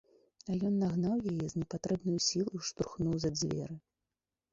А ён нагнаў яе і з непатрэбнаю сілаю штурхнуў за дзверы.